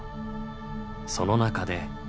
その中で。